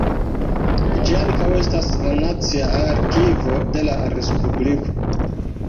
Ĝi ankaŭ estas la nacia arkivo de la respubliko.